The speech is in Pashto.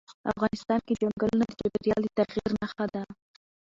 افغانستان کې چنګلونه د چاپېریال د تغیر نښه ده.